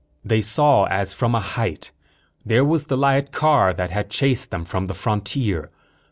They saw as from a height. There was the light car that had chased them from the frontier.